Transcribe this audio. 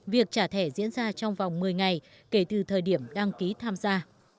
việc trả thẻ diễn ra trong vòng một mươi ngày kể từ thời điểm đăng ký tham gia